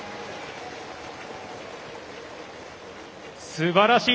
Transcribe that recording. すばらしい！